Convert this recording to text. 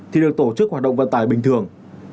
thì được tổ chức hoạt động vận tải bình thường